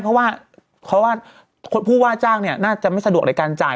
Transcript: เพราะว่าผู้ว่าจ้างน่าจะไม่สะดวกในการจ่าย